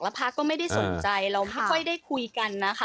พระก็ไม่ได้สนใจเราไม่ค่อยได้คุยกันนะคะ